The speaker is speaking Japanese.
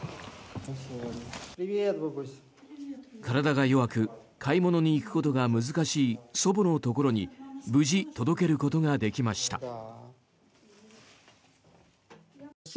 体が弱く買い物に行くことが難しい祖母のところに無事、届けることができました。